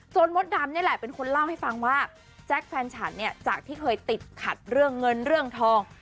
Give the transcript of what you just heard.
มดดำนี่แหละเป็นคนเล่าให้ฟังว่าแจ๊คแฟนฉันเนี่ยจากที่เคยติดขัดเรื่องเงินเรื่องทอง